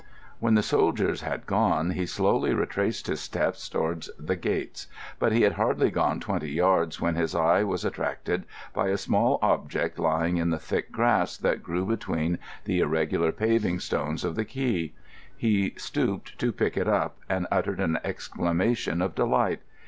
When the soldiers had gone, he slowly retraced his steps towards the gates; but he had hardly gone twenty yards when his eye was attracted by a small object lying in the thick grass that grew between the irregular paving stones of the quay. He stooped to pick it up and uttered an exclamation of delight.